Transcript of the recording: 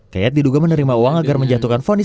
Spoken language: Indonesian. kayat diduga menerima uang agar menjatuhkan fonis